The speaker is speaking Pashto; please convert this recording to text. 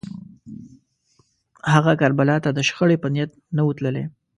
هغه کربلا ته د شخړې په نیت نه و تللی